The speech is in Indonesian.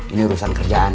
ini urusan kerjaan